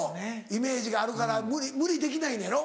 イメージがあるから無理できないのやろ？